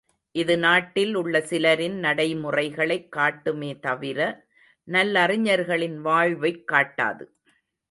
இது நாட்டில் உள்ள சிலரின் நடைமுறைகளைக் காட்டுமே தவிர, நல்லறிஞர்களின் வாழ்வைக் காட்டாது.